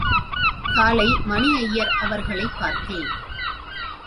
காலை மணி அய்யர் அவர்களைப் பார்த்தேன்.